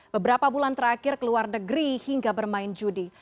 beberapa bulan terakhir keluar negeri hingga bermain judi